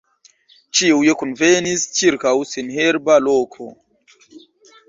Ĉiuj kunvenis ĉirkaŭ senherba loko.